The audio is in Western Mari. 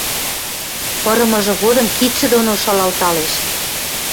Пырымыжы годым кидшӹ доно шалалталеш.